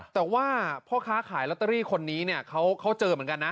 แต่ว่าพ่อค้าขายลอตเตอรี่คนนี้เนี่ยเขาเจอเหมือนกันนะ